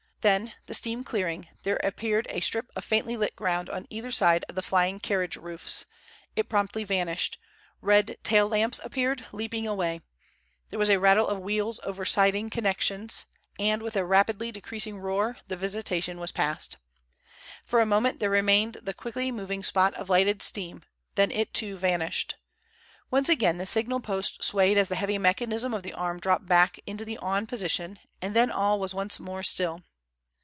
Then, the steam clearing, there appeared a strip of faintly lit ground on either side of the flying carriage roofs; it promptly vanished; red tail Lamps appeared, leaping away; there was a rattle of wheels over siding connections, and with a rapidly decreasing roar the visitation was past. For a moment there remained the quickly moving spot of lighted steam, then it too vanished. Once again the signal post swayed as the heavy mechanism of the arm dropped back into the "on" position, and then all was once more still.